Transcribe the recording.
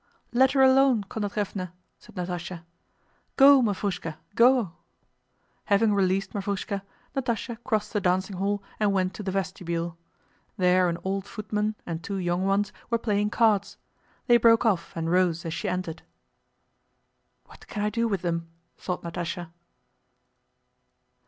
"Let her alone, Kondrátevna," said Natásha. "Go, Mavrúshka, go." Having released Mavrúshka, Natásha crossed the dancing hall and went to the vestibule. There an old footman and two young ones were playing cards. They broke off and rose as she entered. "What can I do with them?" thought Natásha.